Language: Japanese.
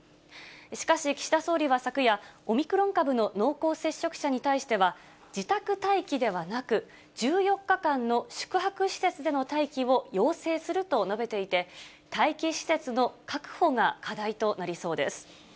しかし、岸田総理は昨夜、オミクロン株の濃厚接触者に対しては、自宅待機ではなく、１４日間の宿泊施設での待機を要請すると述べていて、待機施設の確保が課題となりそうです。